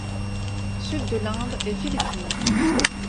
Sud de l'Inde et Philippines.